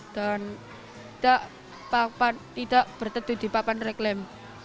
dan tidak berteduh di papan reklam